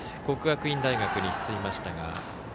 国学院大学に進みましたが。